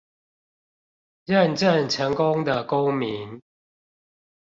認證成功的公民